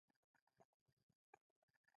اصلي لاره د خلکو لاره ده.